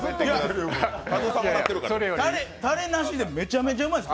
タレなしでもめちゃめちゃうまいです。